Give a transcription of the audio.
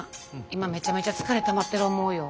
今めちゃめちゃ疲れたまってる思うよ。